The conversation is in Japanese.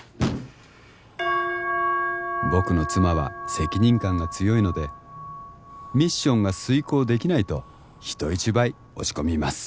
僕の妻は責任感が強いのでミッションが遂行できないと人一倍落ち込みます